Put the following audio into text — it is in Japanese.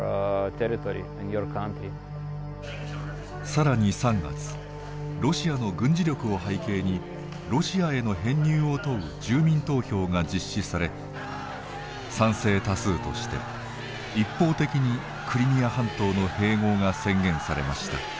更に３月ロシアの軍事力を背景にロシアへの編入を問う住民投票が実施され賛成多数として一方的にクリミア半島の併合が宣言されました。